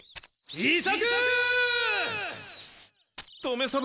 伊作！